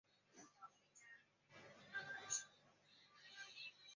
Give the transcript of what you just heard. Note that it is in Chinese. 后来他毕业于东京高等工业学校化学科。